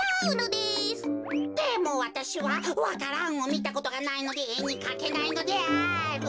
でもわたしはわか蘭をみたことがないのでえにかけないのである。